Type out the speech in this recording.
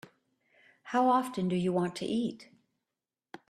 How often do you want to eat?